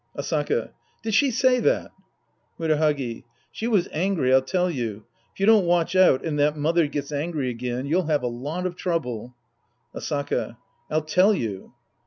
Asaka. Did she say that ? Murahagi. She was angry, I'll tell you If you don't watch out and that " mother " gets angry again, you'll have a lot of trouble. Asaka. I'll tell you.